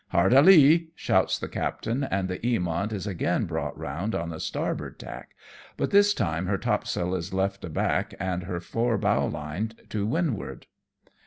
" Hard a lee," shouts the captain, and the Eamont is again brought round on the starboard tack, but this time her topsail is left aback and her forebowline to windward.